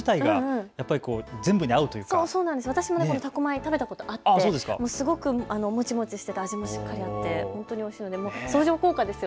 私も食べたことあって、すごくもちもちとして味もしっかりあって本当においしいんです。